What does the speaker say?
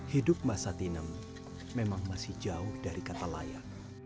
hidup mas satinem memang masih jauh dari kata layak